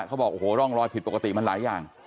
เขาบอกโอ้โหร่องรอยผิดปกติมันหลายอย่าง